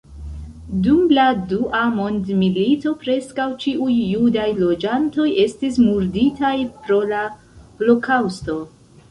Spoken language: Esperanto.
Dum la dua mondmilito preskaŭ ĉiuj judaj loĝantoj estis murditaj pro la holokaŭsto.